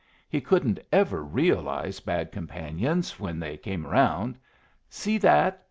He couldn't ever realize bad companions when they came around. See that!"